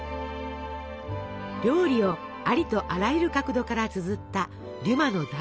料理をありとあらゆる角度からつづったデュマの「大料理事典」。